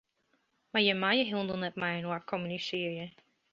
Mar jimme meie hielendal net mei-inoar kommunisearje.